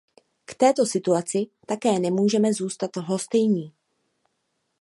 K této situaci také nemůžeme zůstat lhostejní.